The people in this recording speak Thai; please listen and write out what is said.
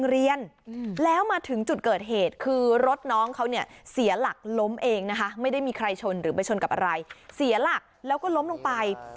แล้วมาถึงจุดเกิดเหตุคือรถน้องเขาเนี่ยเสียหลักล้มเองนะคะไม่ได้มีใครชนหรือไปชนกับอะไรเสียหลักแล้วก็ล้มลงไป